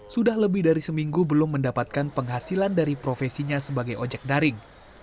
sudah lebih dari seminggu belum mendapatkan penghasilan dari profesinya sebagai ojek daring